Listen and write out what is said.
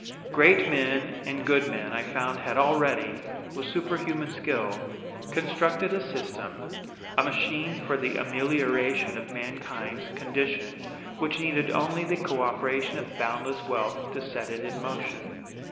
Great men and good men I found had already, with superhuman skill, constructed a system, a machine for the amelioration of mankind's condition, which needed only the co operation of boundless wealth to set it in motion.